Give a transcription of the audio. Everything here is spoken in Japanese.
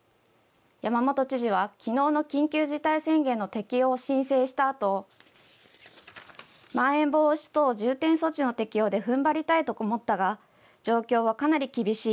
山本知事はきのうの緊急事態宣言の適用を申請したあとまん延防止等重点措置の適用でふんばりたいと思ったが状況はかなり厳しい。